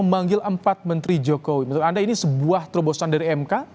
memanggil empat menteri jokowi menurut anda ini sebuah terobosan dari mk